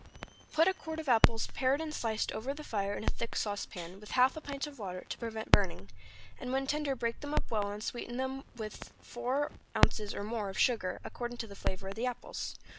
= Put a quart of apples pared and sliced over the fire in a thick sauce pan, with half a pint of water, to prevent burning, and when tender break them well up and sweeten them with four ounces or more of sugar, according to the flavor of the apples.